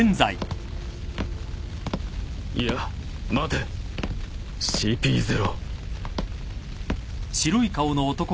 いや待てＣＰ０。